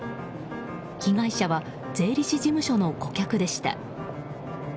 被害者は税理士事務所の顧客でした。